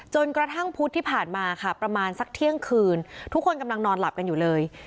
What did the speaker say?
กระทั่งพุธที่ผ่านมาค่ะประมาณสักเที่ยงคืนทุกคนกำลังนอนหลับกันอยู่เลย